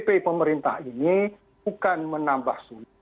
tapi pemerintah ini bukan menambah sulit